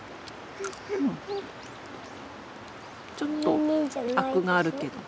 ちょっとアクがあるけど。